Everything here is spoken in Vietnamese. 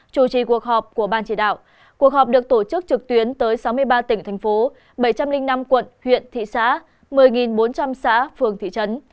chủ trì cuộc họp của ban chỉ đạo cuộc họp được tổ chức trực tuyến tới sáu mươi ba tỉnh thành phố bảy trăm linh năm quận huyện thị xã một mươi bốn trăm linh xã phường thị trấn